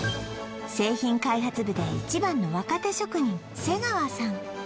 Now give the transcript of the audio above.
製品開発部で一番の若手職人瀬川さん